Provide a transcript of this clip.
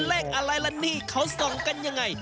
เลขอะไรละนี่เขาส่องกันยังไง